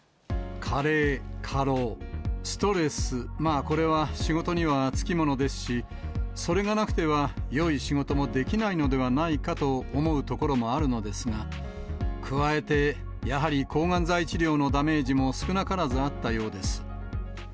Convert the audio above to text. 加齢、過労、ストレス、まあ、これは、仕事には付き物ですし、それがなくてはよい仕事もできないのではないかと思うところもあるのですが、加えて、やはり抗がん剤治療のダメージも少なからずあったようです。